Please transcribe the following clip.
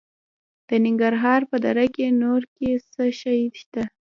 د ننګرهار په دره نور کې څه شی شته؟